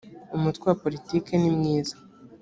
umutwe wa politiki nimwiza